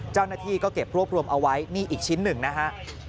เจ้าหน้าที่ก็เก็บรวบรวมเอาไว้นี่อีกชิ้นหนึ่งนะฮะ